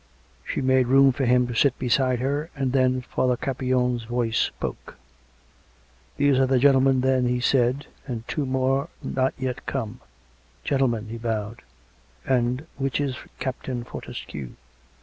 She made room for him to sit beside her; and then Father Campion's voice spoke: " These are the gentlemen, then," he said. " And two more are not yet come. Gentlemen " he bowed. " And which is Captain Fortescue?